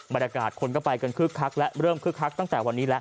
บรรยากาศคนก็ไปกันคึกคักและเริ่มคึกคักตั้งแต่วันนี้แล้ว